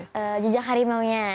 iya jejak harimaunya